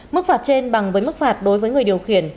mức phạt trên bằng với mức phạt đối với người điều khiển